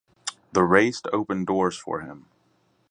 The raced opened doors for him.